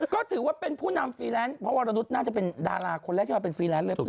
ก็ถือว่าเป็นผู้นำฟรีแลนซ์เพราะวรนุษย์น่าจะเป็นดาราคนแรกที่มาเป็นฟรีแลนซ์เร็